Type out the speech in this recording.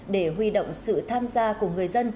để huy động sự tham gia của người dân